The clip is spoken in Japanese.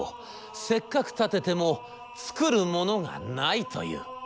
せっかく建てても作るものがないという。